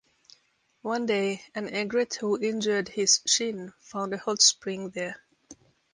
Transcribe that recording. One day, an egret who injured his shin found a hot spring there.